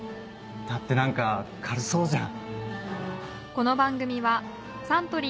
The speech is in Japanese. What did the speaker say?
だって何か軽そうじゃん。